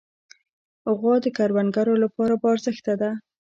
غوا د کروندګرو لپاره باارزښته ده.